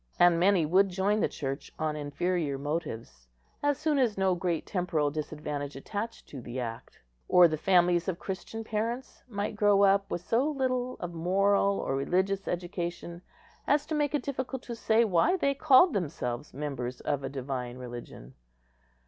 And many would join the Church on inferior motives as soon as no great temporal disadvantage attached to the act; or the families of Christian parents might grow up with so little of moral or religious education as to make it difficult to say why they called themselves members of a divine religion.